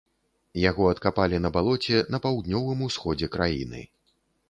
Яго адкапалі на балоце на паўднёвым усходзе краіны.